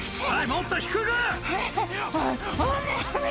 もっと低く！お水！